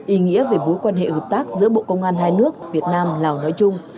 ý nghĩa về mối quan hệ hợp tác giữa bộ công an hai nước việt nam lào nói chung